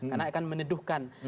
karena akan meneduhkan